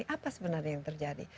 apa sebenarnya yang terjadi